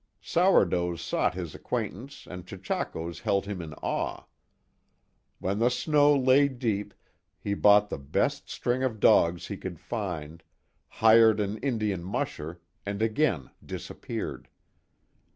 Sourdoughs sought his acquaintance and chechakos held him in awe. When the snow lay deep he bought the best string of dogs he could find, hired an Indian musher, and again disappeared.